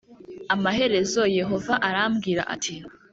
amaherezo yehova arambwira ati